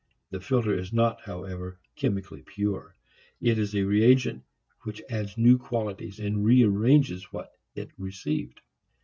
The filter is not, however, chemically pure. It is a reagent which adds new qualities and rearranges what is received.